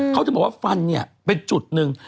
เขาถึงบอกว่าฟันเป็นจุดนึง